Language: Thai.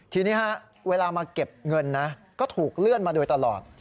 ทีนี้เวลามาเก็บเงินนะก็ถูกเลื่อนมาโดยตลอด